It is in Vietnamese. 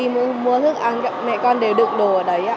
mỗi khi đi mua thức ăn mẹ con đều đựng đồ ở đấy